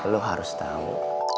lo harus tau